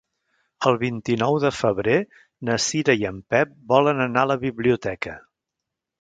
El vint-i-nou de febrer na Cira i en Pep volen anar a la biblioteca.